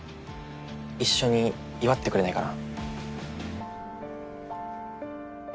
一緒に祝ってくれないかな。